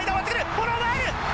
フォローが入る。